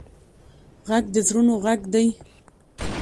غږ د زړونو غږ دی